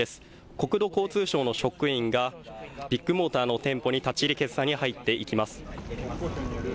国土交通省の職員がビッグモーターの店舗に立ち入り検査に入っていきます。